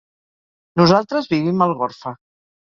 Nosaltres vivim a Algorfa.